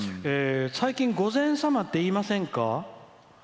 最近、午前様って言いませんか？」。